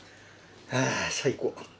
はあ最高。